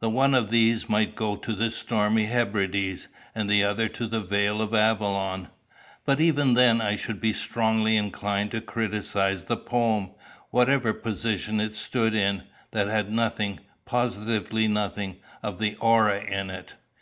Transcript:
The one of these might go to the stormy Hebrides, and the other to the Vale of Avalon; but even then I should be strongly inclined to criticise the poem, whatever position it stood in, that had nothing positively nothing of the aurora in it."